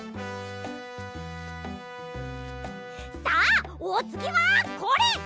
さあおつぎはこれ！